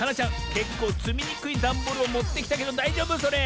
けっこうつみにくいダンボールをもってきたけどだいじょうぶそれ？